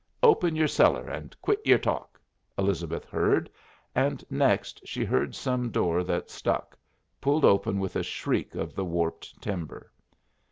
"Open your cellar and quit your talk," Elizabeth heard, and next she heard some door that stuck, pulled open with a shriek of the warped timber.